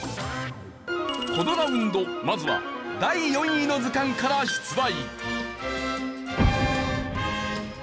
このラウンドまずは第４位の図鑑から出題。